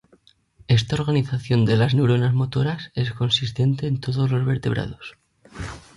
Esta organización de las neuronas motoras es consistente en todos los vertebrados.